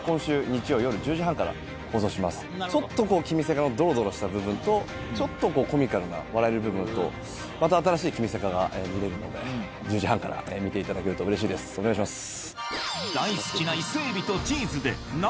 ちょっと『キミセカ』のドロドロした部分とちょっとコミカルな笑える部分とまた新しい『キミセカ』が見れるので１０時半から見ていただけるとうれしいですお願いします。